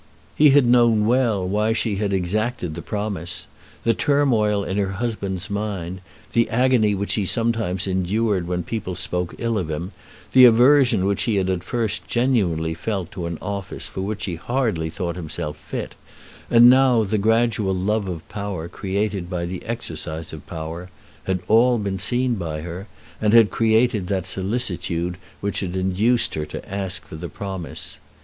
He had known well why she had exacted the promise. The turmoil in her husband's mind, the agony which he sometimes endured when people spoke ill of him, the aversion which he had at first genuinely felt to an office for which he hardly thought himself fit, and now the gradual love of power created by the exercise of power, had all been seen by her, and had created that solicitude which had induced her to ask for the promise.